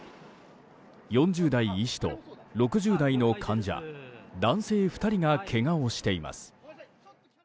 ４０代医師と６０代の患者男性２人がけがをしています。